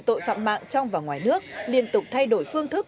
tội phạm mạng trong và ngoài nước liên tục thay đổi phương thức